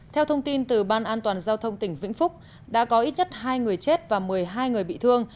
theo thông tin từ ban an toàn giao thông tỉnh vĩnh phúc đã có ít nhất hai người chết và một mươi hai người bị thương